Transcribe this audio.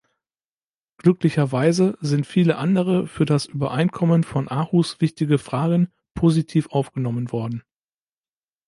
Glücklicherweise sind viele andere für das Übereinkommen von Aarhus wichtige Fragen positiv aufgenommen worden.